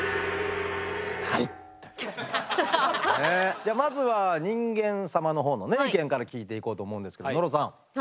じゃあまずは人間様のほうの意見から聞いていこうと思うんですけど野呂さん